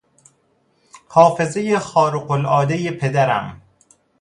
حافظهی خارقالعاده پدرم